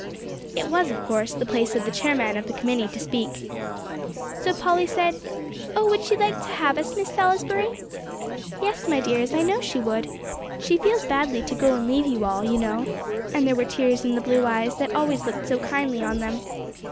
It was, of course, the place of the chairman of the committee to speak. So Polly said, "Oh, would she like to have us, Miss Salisbury?" "Yes, my dears. I know she would. She feels badly to go and leave you all, you know," and there were tears in the blue eyes that always looked so kindly on them.